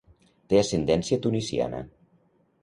Té ascendència tunisiana.